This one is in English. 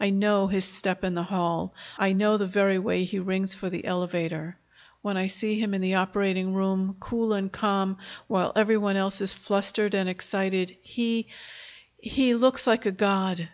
I know his step in the hall. I know the very way he rings for the elevator. When I see him in the operating room, cool and calm while every one else is flustered and excited, he he looks like a god."